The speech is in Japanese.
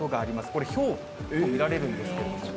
これ、ひょうと見られるんですけれども。